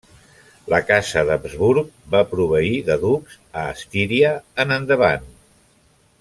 La casa d'Habsburg va proveir de ducs a Estíria en endavant.